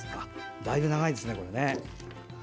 だいぶ長いですね、これ。